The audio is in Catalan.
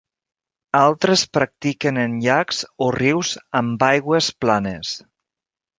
Altres practiquen en llacs o rius amb aigües planes.